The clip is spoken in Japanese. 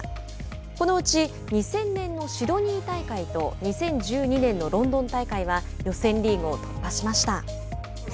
このうち２０００年のシドニー大会と２０１２年のロンドン大会は予選リーグを突破しました。